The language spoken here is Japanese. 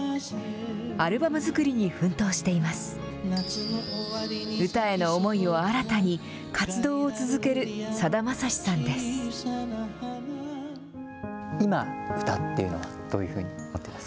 アルバム作りに奮闘しています。